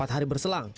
empat hari berselang